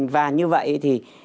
và như vậy thì